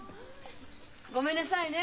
ごめんなさいね。